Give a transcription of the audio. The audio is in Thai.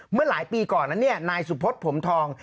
เมื่อหลายปีก่อนแล้วเนี่ยนายสุพธิ์ผมทอง